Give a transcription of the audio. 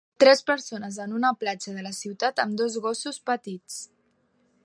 Tres persones en una platja de la ciutat amb dos gossos petits.